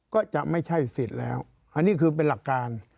ก็จะไม่ใช่สิทธิ์แล้วอันนี้คือเป็นหลักการ